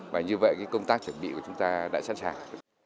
và như vậy công tác chuẩn bị của chúng ta đã sẵn sàng